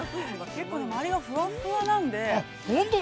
◆結構周りがふわふわなんで。